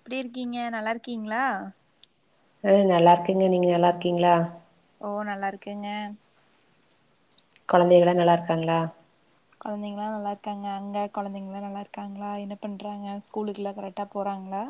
எப்டி இருக்கீங்க நல்லா இருக்கீங்களா அ நல்லா இருகேங்க நீங்க நல்லா இருக்கீங்களா ஓ நல்லா இருக்கேங்க கொழந்தைகளா நல்லா இருக்காங்களா குழந்தைங்கல்லா நல்லா இருக்காங்க அங்க குழந்தைங்க லா நல்லா இருக்காங்களா என்ன பண்றாங்க ஸ்கூலுக்குலா கரெக்டா போறாங்களா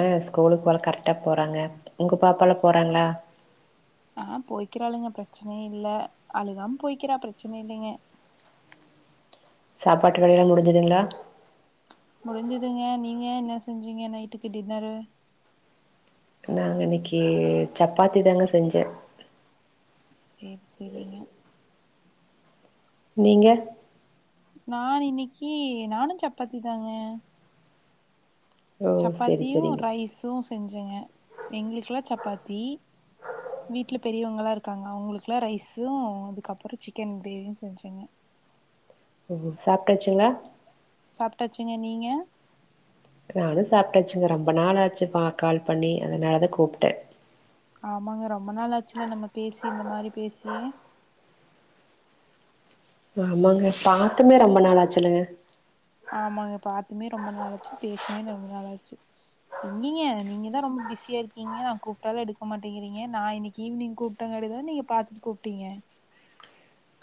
ஆ ஸ்கூலுக்கு போர கரெக்டா போறாங்க உங்க பாப்பாலா போறாங்களா ஆ போய்க்கிறாளுங்க பிரச்சன இல்ல அழுகாம போய்க்கிறா பிரச்சன இல்லைங்க சாப்பாட்டு வேளலா முடிஞ்சுதுங்களா முடிஞ்சுதுங்க நீங்க என்ன செஞ்சீங்க நைட்டுக்கு டின்னரு நாங்க இன்னைக்கு சப்பாத்தி தாங்க செஞ்சே சேரி சேரிங்க நீங்க நா இன்னைக்கு நானு சப்பாத்தி தாங்க ஓ செரி சப்பாத்தியு செரிங்க ரைஸு செஞ்சங்க எங்களுக்கெல்லா சப்பாத்தி வீட்டுல பெரியவங்கலா இருக்காங்க அவங்களுக்கெல்லா ரைஸ்யும் அதுக்கப்பறோ சிக்கன் கிரேவியு செஞ்சங்க ஓ சாப்ட்டாச்சுங்களா சாப்ட்டாச்சுங்க நீங்க நானு சாப்ட்டாசுங்க ரொம்ப நாளாச்சுப்ப கால் பண்ணி அதனாலதா கூப்ட்டே ஆமாங்க ரொம்ப நாள் ஆச்சுல நம்ம பேசி இந்த மாரி பேசியே ஆமாங்க பாத்துமே ரொம்ப நாளாச்சுல்லுங்க ஆமாங்க பாத்துமே ரொம்ப நாளாச்சு பேசுமே ரொம்ப நாளாச்சு எங்கீங்க நீங்க தா ரொம்ப பிஸியா இருக்கீங்க நா கூப்பிட்டாலு எடுக்க மாட்டேங்கிறீங்க நா இன்னைக்கு ஈவினிங் கூப்பிட்டேங்க காடேதா நீங்க பாத்துட்டு கூப்ட்டீங்க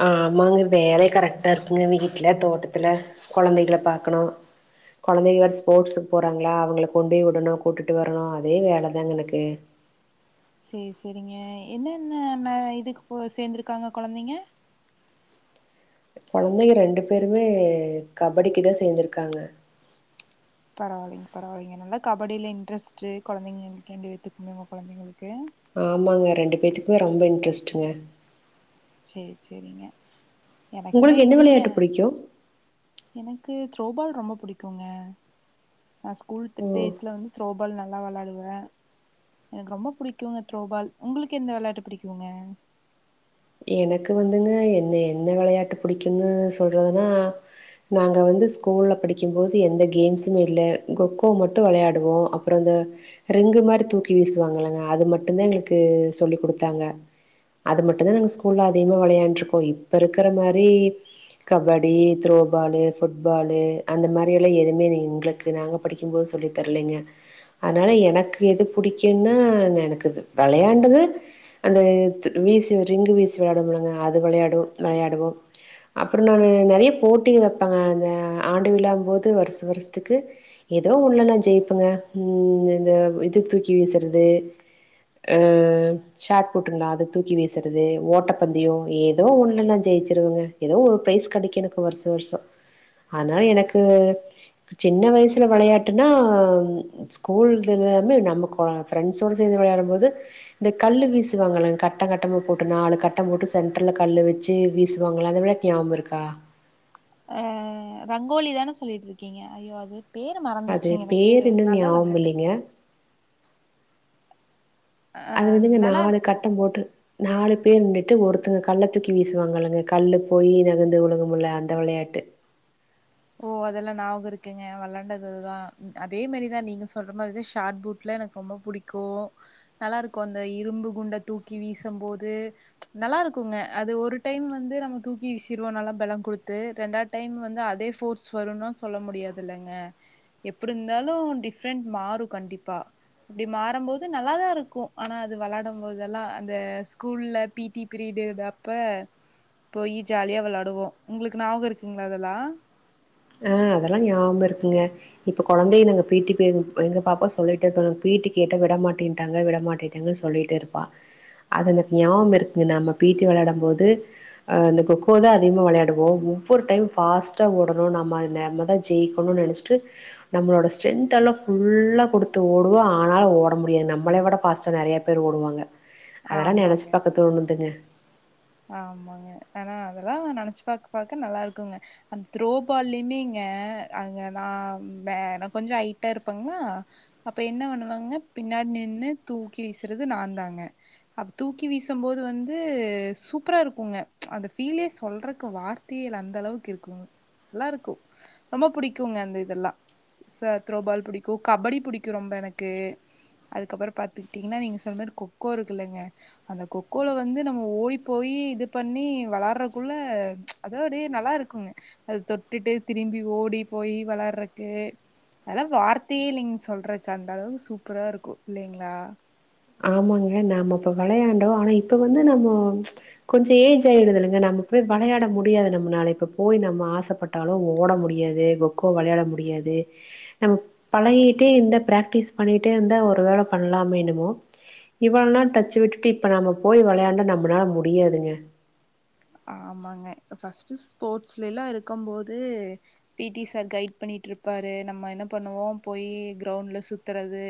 ஆ ஆமாங்க வேலயே கரெக்ட்டா இருக்குங்க வீட்டுல தோட்டத்துல கொழந்தைகள பாக்கணு குழந்தைங்க வேர ஸ்போர்ட்ஸுக்கு போறாங்களா அவங்கள கொண்டோய்விடணு கூட்டுட்டு வரணு அதே வேலதாங்க எனக்கு சேரி சேரிங்க என்னென்ன ந இதுக்கு சேர்ந்திருக்காங்க கொழந்தைங்க கொழந்தைங்க ரெண்டு பேருமே கபடிக்குதா சேந்திருக்காங்க பரவாயில்லைங்க பரவாயில்லைங்க நல்லா கபடில இன்ட்ரெஸ்ட் குழந்தைங்களுக்கு ரெண்டு [inaudible] குழந்தைங்களுக்கு ஆமாங்க ரெண்டு பேத்துக்குமே ரொம்ப இன்ட்ரெஸ்ட்டுங்க செரி செரிங்க எனக்குமே உங்களுக்கு என்ன எங்கீங்க விளையாட்டு புடிக்கு எனக்கு த்ரோபால் ரொம்ப புடிக்குங்க நா ஸ்கூல் ஓ டேஸ்ல வந்து த்ரோபால் நல் நல்லா விளாடுவே எனக்கு ரொம்ப பிடிக்குங்க த்ரோபால் உங்களுக்கு எந்த விளாட்டு பிடிக்குங்க எனக்கு வந்துங்க என்ன என்ன விளையாட்டு பிடிக்கும்ன்னு சொல்றதுன்னா நாங்க வந்து ஸ்கூல்ல படிக்கும்போது எந்த கேம்ஸுமே இல்ல கொக்கோ மட்டு விளையாடுவோ அப்றமா இந்த ரிங்கு மாரி தூக்கி வீசுவாங்கல்லங்க அது மட்டுதா எங்ளுக்கு சொல்லிக்குடுத்தாங்க அது மட்டுதா நாங்க ஸ்கூல்ல அதிக விளயாண்டு இருக்கோ இப்ப இருக்கிற மாரி கபடி த்ரோபாலு ஃபுட்பாலு அந்த மாரி எல்லா எதுவுமே எங்ளுக்கு நாங்க படிக்கும்போது சொல்லி தரலங்க அதனால எனக்கு எது பிடிக்கும்ன்னா எனக்கு விளையாண்டது அந்த வீசி ரிங்கு வீசி ச்சு வெளையாடுவோல்லங்க அது வெளையாடு வெளையாடுவோ அப்றோனா நெறைய போட்டிக வப்பாங்க அந்த ஆண்டு விழாங்கும் போது வருஷ வருஷத்துக்கு எதோ ஒன்ல நா ஜெயிப்பங்க ம் இந்த இது தூக்கி வீசறது ஆ ஷார்ட்புட்ங்ளா அத தூக்கி வீசறது ஓட் டப்பந்தயோ ஏதோ ஒன்ல நா ஜெயிச்சிருவங்க எதோ ஒரு பிரைஸ் கெடைக்கு எனக்கு வர்ஷோ வர்ஷோ ஆனா எனக்கு சின்ன வயசல வெளையாட்டுனா ஸ்கூல்லருந்து நம்ம கொ ஃப்ரண்ட்ஸோட சேந்து வெளையாடும் போது இந்த கல்லு வீசுவாங்கல்லங் கட்டங் கட்டமா போட்டு நாலு கட் டம் போட்டு சென்டர்ல கல்லு வெச்சு வீசுவாங்கல்ல அத விட ஞாவமிருக்கா ஆ ரங்கோலிதான சொல்லிட்ருக்கீங்க ஐயோ அது பேரு அது மறந்துருச்சுங்க எனக்கு பேர் இன்னு நல்ல ஞாபகம் வெளாட்டு இல்லைங்க ஆ அது வந்துங்க நல்லா நாலு இருக்கு கட்டம் போட்டு நாலு பேர் நிண்டுட்டு ஒருத்தங்க கல்ல தூக்கி வீசுவாங்கல்லங்க கல்லு போயி நகந்து விழுகுமில்ல அந்த விளையாட்டு ஓ அதெல்லா ஞாவக இருக்குங்க வெளாண்டதுதுதா அதே மாரிதா நீங்க சொல்ற மாரிதா ஷாட் பூட்லா எனக்கு ரொம்ப புடிக்கு நல்லா இருக்கு அந்த இரும்பு குண்ட தூக்கி வீசும் போது நல்லா இருக்குங்க அது ஒரு டைம் வந்து நம்ம தூக்கி வீசிருவோ நல்லா பலோ குடுத்து ரெண்டாவ்து டைம் வந்து அதே ஃபோர்ஸ் வருன்லா சொல்ல முடியாது இல்லங்க எப்டி இருந்தாலு டிஃப்ரெண்ட் மாறு கண்டிப்பா அப்டி மாறும்போது நல்லாதா இருக்கு ஆனா அது வெளாடும்போதெல்லா அந்த ஸ்கூல்ல பி டி பீரியடுது அப்ப போயி ஜாலியா வெளாடுவோ உங்களுக்கு ஞாவகோ இருக்குங்ளா அதெல்லா ஆ அதெல்லா ஞாவகமிருக்குங்க இப்ப கொழந்தைய நாங்க பி டி பீரியடு எங்க பாப்பா சொல்லிட்டே இருப்பாளுங் பி டி கேட்டா விடமாட்டின்ட்டாங்க விடமாட்டிட்டாங்க சொல்லிட்டே இருப்பா அது எனக்கு ஞாபகோ இருக்குங்க நம்ம பி டி வெளையாடம்போது ஆ இந்த கொக்கோதா அதிகமா வெளையாடுவோ ஒவ்வொரு டைம் ஃபாஸ்ட்டா ஓடு வோ நம்ம ஆ நம்மதா ஜெயிக்கணுன்னு நெனைச்சிட்டு நம்மளோட ஸ்ட்ரென்த் எல்லா ஃபுல்லா கொடுத்து ஓடுவோ ஆனாலும் ஓட முடியாது நம்மள விட ஃபாஸ்டா நெறைய பேர் ஓடுவாங்க அதெல்லா நெனச்சு ஆமாங்க, பாக்க தோணுதுங்க ஆமாங்க ஆனா அதெல்லா நெனைச்சு பாக்க பாக்க நல்லா இருக்குங்க அந்த த்ரோ பால்லயுமேங்க அங்க நா வே நா கொஞ்ச ஹைட்டா இருப்பங்ளா அப்ப என்ன பண்ணுவங்க பின்னாடி நின்னு தூக்கி வீசுறது நாந்தாங்க அப்ப தூக்கி வீசும்போது வந்து சூப்பரா இருக்குங்க அந்த ஃபீலே சொல்றக்கு வார்த்தையே இல்ல அந்த அளவுக்கு இருக்குங் நல்லா இருக்கு ரொம்ப பிடிக்குங்க அந்த இதெல்லா ச த்ரோபால் பிடிக்கு கபடி பிடிக்கு ரொம்ப எனக்கு அதுக்கப்புற பாத்துக்கிட்டீங்கன்னா நீங்க சொன்ன மாரி கொக்கோ இருக்குல்லங்க அந்த கொக்கோல வந்து நம்ம ஓடி போயி இது பண்ணி வெளையாடறக்குள்ள அது அப்டியே நல்லா இருக்குங்க அது தொட்டுட்டு திரும்பி ஓடி போயி வெளையாடறக்கு அதெல்லா வார்த்தையே இல்லைங் சொல்றக்கு அந்த அளவு சூப்பரா இருக்கு இல்லைங்ளா ஆமாங்க நாம அப்ப வெளையாண்டோ ஆனா இப்ப வந்து நம்மோ கொஞ்ச ஏஜ் ஆயிடுது இல்லங்க நம்ம போய் வெளையாட முடியாது நம்மனால இப்ப போய் நம்ம ஆசப்பட்டாலு ஓட முடியாது கொக்கோ வெளையாட முடியாது நம்ம பழகிட்டே இந்த பிராக்டிஸ் பண்ணிட்டே இருந்தா ஒரு வேள பண்லாமோ என்னமோ இவ்ளோ நாள் டச்சு விட்டுட்டு இப்ப நம்ம போய் வெளையாண்டா நம்மனால முடியாதுங்க ஆமாங்க அ ஃபஸ்ட்டு ஸ்போர்ட்ஸ்ல எல்லா இருக்கும் போது பி டி சார் கைட் பண்ணிட்டு இருப்பாரு நம்ம என்ன பண்ணுவோ போயி கிரௌண்ட்ல சுத்துறது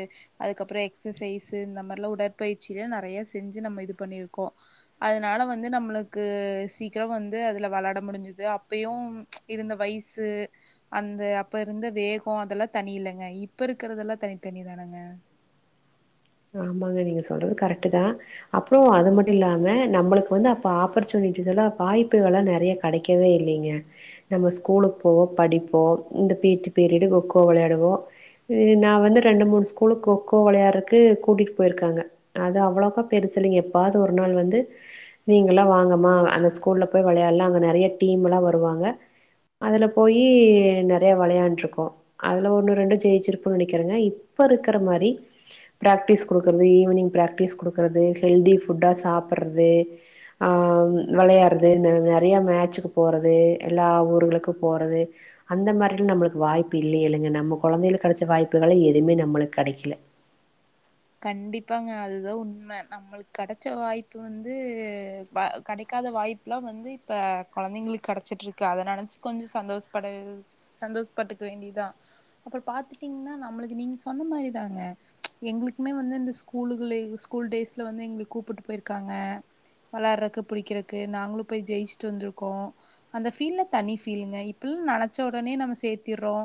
அதுக்கப்புற எக்சசைஸு இந்த மாரிலா உடற்பயிற்சிலா நெறைய செஞ்சு நம்ம இது பண்ணிருக்கோ அதனால வந்து நம்மளுக்கு சீக்கிரோ வந்து அதுல வெளாட முடிஞ்சுது அப்பயு இருந்த வயசு அந்த அப்ப இருந்த வேகோ அதெல்லா தனி இல்லங்க இப்ப இருக்கறதெல்லா தனித்தனிதானுங்க ஆமாங்க நீங்க சொல்றது கரெக்ட்டுதா அப்றோ அது மட்டு இல்லாம நம்மளுக்கு வந்து அப்ப ஆப்பர்ச்சுனிட்டிஸ் எல்லா வாய்ப்புகள்லா நெறைய கெடைக்கவே இல்லீங்க நம்ம ஸ்கூலுக்கு போவோ படிப்போ இந்த பி டி பீரிடு கொக்கோ வெளையாடுவோ இ நா வந்து ரெண்டு மூணு ஸ்கூலு கொக்கோ வெளையாடறக் கு கூட்டிட்டு போயிருக்காங்க அது அவ்ளோக்கா பெருசில்லைங்க எப்பாது ஒரு நாள் வந்து நீங்கல்லா வாங்கம்மா அந்த ஸ்கூல்ல போய் வெளையாடலா அங்க நெறைய டீம் எல்லா வருவாங்க அதுல போயி நெறைய வெளையாண்ட்ருக்கோ அதுல ஒன்னு ரெண்டு ஜெயிச்சிருப்பன்னு நெனைக்கிறங்க இப்ப இருக்கற மாரி ப்ராக்டிஸ் குடுக்குறது ஈவினிங் ப்ராக்டிஸ் குடுக்குறது ஹெல்தி ஃபுட்டா சாப்பட்றது ஆ வெளையாடு்றது நெ நெறையா மேட்சுக்கு போறது எல்லா ஊர்களுக்கு போறது அந்த மாரிலா நம்மளுக்கு வாய்ப்பு இல்லியல்லங்க நம்ம கொழந்தைகளுக்கு கெடச்ச வாய்ப்புகல்லா எதுமே நம்மளுக்கு கெடைக்கல கண்டிப்பாங்க அதுதா உண்ம நம்மளுக்கு கெடைச்ச வாய்ப்பு வந்து வ கெடைக்காத வாய்ப்புலா வந்து இப்ப கொழந்தைங்களுக்கு கெடச்சிட்ருக்கு அத நெனைச்சு கொஞ்ச சந்தோஷப்பட சந்தோஷப்பட்டுக்க வேண்டியதா அப்புற பாத்துட்டீங்னா நம்மளுக்கு நீங்க சொன்ன மாரிதாங்க எங்களுக் குமே வந்து இந்த ஸ்கூலுகளியு ஸ்கூல் டேஸ்ல வந்து எங்கள கூப்புட்டு போயிருக்காங்க வெளையாடறக்கு புடிக்கறக்கு நாங்களு போய் ஜெயிச்சுட்டு வந்திருக்கோ அந்த ஃபீல்லா தனி ஃபீலுங்க இப்பல்லா நெனச்ச உடனே நம்ம சேத்திர்றோ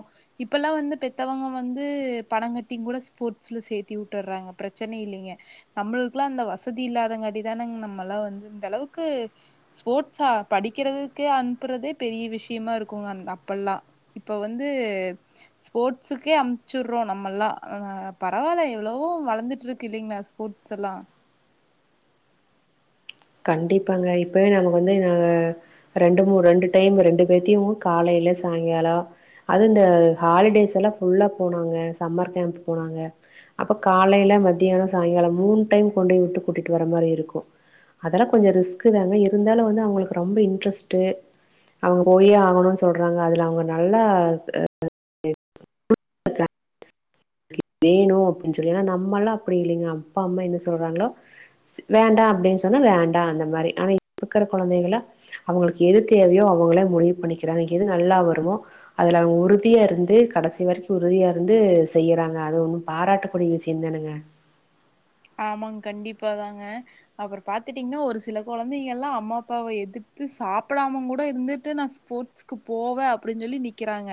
இப்பல்லா வந்து பெத்தவங்க வந்து பணோ கட்டி கூட ஸ்போர்ட்ஸ்ல சேத்தி உ ட்டர்றாங்க பிரச்சன இல்லிங்க நம்மளுக்கெல்லா அந்த வசதி இல்லாதங்காட்டிதானங் நம்மல்லா வந்து இந்த அளவுக்கு ஸ்போர்ட்ஸா படிக்கிறதுக்கே அனுப்புறதே பெரிய விஷயமா இருக்குங்க அந் அப்பெல்லா இப்ப வந்து ஸ்போர்ட்ஸுக்கே அம்ச்சுவிட்றோ நம்மல்லா ஆ பரவால்ல எவ்ளவோ வளந்துட்ருக்கு இல்லிங்ளா ஸ்போர்ட்ஸ் எல்லா கண்டிப்பாங்க இப்பவே நமக்கு வந்து நாங்க ரெண்டு மூ ரெண்டு டைம் ரெண்டு பேத்தையு காலைல சாயங்காலோ அது இந்த ஹாலிடேஸ் எல்லா ஃபுல்லா போனாங்க சம்மர் கேம்ப் போனாங்க அப்ப காலைல மத்தியானோ சாயங்காலோ மூணு டைம் கொண்டு போய் விட்டு கூட்டிட்டு வர மாரி இருக்கு அதெல்லா கொஞ்ச ரிஸ்க்குதாங்க இருந்தாலு வந்து அவங்களுக்கு ரொம்ப இன்ட்ரெஸ்ட்டு அவங்க போயே ஆகணுன்னு சொல்றாங்க அதுல அவங்க நல்லா ஆ [inaudible] வேணு அப்பிடின்னு சொல்லி ஏன்னா நம்ம எல்லா அப்டி இல்லைங்க அப்பா அம்மா என்ன சொல்றாங்களோ ஸ் வேண்டா அப்டின்னு சொன்னா வேண்டா அந்த மாரி ஆனா இப்ப இருக்கற கொழந்தைகல்ல அவங்களுக்கு எது தேவையோ அவங்களே முடிவு பண்ணிக்கிறாங்க எது நல்லா வருமோ அதுல அவங்க உறுதியா இருந்து கடைசி வரைக்கு உறுதியா இருந்து செய்யறாங்க அது ஒன்னு பாராட்டக்கூடிய விஷயந்தானுங்க ஆமாங் கண்டிப்பாதாங்க அப்புற பாத்துட்டீங்னா ஒரு சில கொழந்தைக எல்லா அம்மா அப்பாவ எதித்து சாப்படாமங்கூட இருந்துட்டு நா ஸ்போர்ட்ஸ்க்கு போவே அப்பிடின்னு சொல்லி நிக்கிறாங்க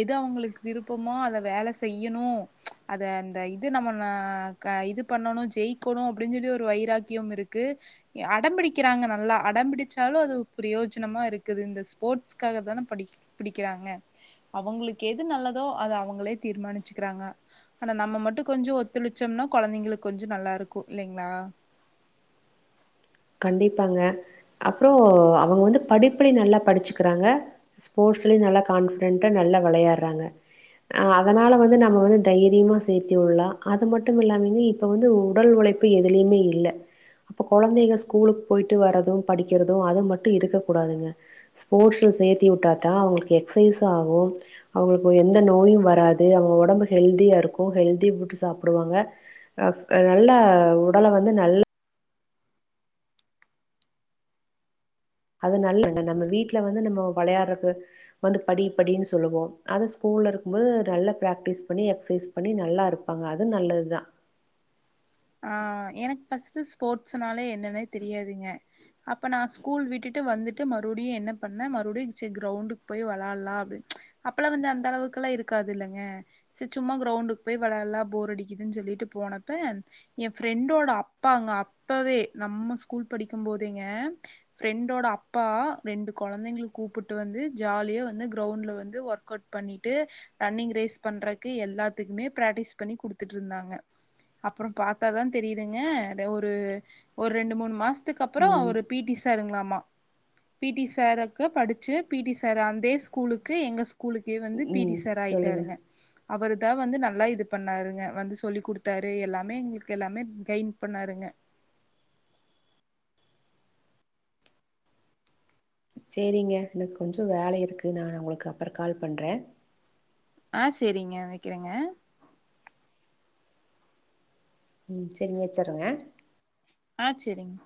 எது அவங்களுக்கு விருப்பமோ அத வேல செய்யணு அத அந்த இது நம்ம ந க இது பண்ணணு ஜெயிக்கணு அப்பிடின் சொல்லி ஒரு வைராக்கியம் இருக்கு யா அடம் பிடிக்கிறாங்க நல்லா அடம் பிடிச்சாலு அது பிரயோஜனமா இருக்குது இந்த ஸ்போர்ட்ஸ்க்காகதான படிக் பிடிக்கிறாங்க அவங்களுக்கு எது நல்லதோ அத அவங்களே தீர்மானிச்சுக்கிறாங்க ஆனா நம்ம மட்டு கொஞ்சோ ஒத்துழைச்சோம்னா கொழந்தைங்களுக் கொஞ்சோ நல்லா இருக்கு இல்லைங்ளா கண்டிப்பாங்க அப்றோ அவங்க வந்து படிப்புலயு நல்லா படிச்சுக்கிறாங்க ஸ்போர்ட்ஸ்லயு நல்லா கான்ஃபிடன்டா நல்லா வெளையாட்றாங்க ஆ அதனால வந்து நம்ம வந்து தைரியமா சேத்திவிட்லா அது மட்டும் இல்லாமைங்க இப்ப வந்து உடல் உழைப்பு எதுலயுமே இல்ல அப்ப கொழந்தைக ஸ் கூலுக்கு போயிட்டு வரது படிக்கிறது அது மட்டு இருக்கக் கூடாதுங்க ஸ்போர்ட்ஸ்ல சேத்தி விட்டாத்தா அவங்களுக்கு எக்சைஸு ஆகு அவங்களுக்கு எந்த நோயு வராது அவங்க ஒடம்பு ஹெல்தியா இருக்கு ஹெல்தி ஃபுட்டு சாப்டுவாங்க அ ஆ நல்லா உடல வந்து நல் அது நல்ல [inaudible] நம்ம வீட்ல வந்து நம்ம வெளையாடுறக்கு வந்து படி படின்னு சொல்லுவோ அதே ஸ்கூல்ல இருக்கும்போது நல்லா பிராக்டிஸ் பண்ணி எக்சைஸ் பண்ணி நல்லா இருப்பாங்க அது நல்லதுதா ஆ எனக்கு ஃபஸ்ட்டு ஸ்போர்ட்ஸ்னாலே என்னன்னே தெரியாதுங்க அப்ப நா ஸ்கூல் விட்டுட்டு வந்துட்டு மறுபடியு என்ன பண்ணே மறுபடியு சரி கிரௌண்டுக்கு போய் வெளையாட்லா அப்டின்னு அப்பெல்லா வந்து அந்த அளவுக்கெல்லா இருக்காது இல்லங்க சரி சும்மா கிரௌண்டுக்கு போய் வெளையாட்லா போர் அடிக்குதுன்னு சொல்லிட்டு போனப்ப யேன் ஃப்ரெண்டோட அப்பாங்க அப்பவே நம்ம ஸ்கூல் படிக்கும்போதேங்க ஃப்ரெண்டோட அப்பா ரெண்டு கொழந்தைங்கள கூப்புட்டு வந்து ஜாலியா வந்து கிரௌண்டல வந்து ஒர்க் அவுட் பண்ணிட்டு ரன்னிங் ரேஸ் பண்றக்கு எல்லாத்துக்குமே பிராக்டிஸ் பண்ணி குடுத்துட்ருந்தாங்க அப்புறம் பா த்தாதா தெரியுதுங்க ஒரு ஒரு ரெண்டு மூணு மாச த்துக்கு அப்புறோ ம் அவரு பி டி சாருங்களாமா பி டி சாருக்கு படிச்சு பி டி சாரு அதே ஸ்கூலுக்கு எங்க ஸ்கூலுக்கே வந்து பி டி ம் சொல்லுங்க சார்ஆயிட்டாருங்க அவரு தான் வந்து நல்லா இது பண்ணாருங்க வந்து சொல்லி் கொடுத்தாரு எல்லாமே எங்களு எல்லாமே கைட் பண்ணாருங்க சரிங்க எனக்கு கொஞ்சம் வேலை இருக்கு நான் உங்களுக்கு அப்புறம் கால் பண்றேன் ஆஹ் சரிங்க வைக்கிறேங்க ம் சரிங்க வச்சருங்க ஆ சரிங்க